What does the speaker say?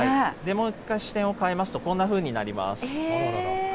もう一回視点を変えますと、こんなふうになります。